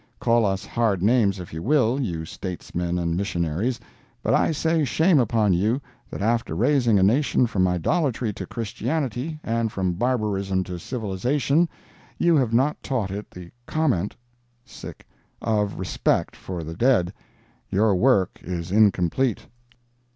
Call us hard names if you will, you statesmen and missionaries! but I say shame upon you, that after raising a nation from idolatry to Christianity, and from barbarism to civilization, you have not taught it the comment of respect for the dead. Your work is incomplete.